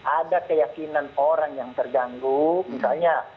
ada keyakinan orang yang terganggu misalnya